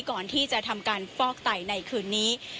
ก่อนที่จะทำการฟอกไตในคืนนี้